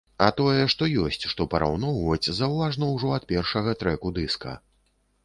А тое, што ёсць што параўноўваць, заўважна ўжо ад першага трэку дыска.